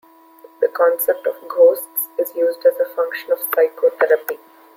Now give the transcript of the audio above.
This concept of ghosts is used as a function of psychotherapy.